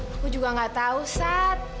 aku juga gak tahu sat